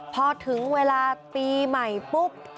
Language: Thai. พอถึงเวลาปีใหม่ปุ๊บ